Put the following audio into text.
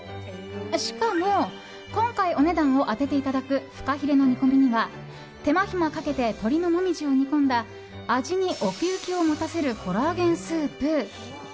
しかも、今回お値段を当てていただくフカヒレの煮込みには手間暇かけて鶏のモミジを煮込んだ味に奥行きを持たせるコラーゲンスープ。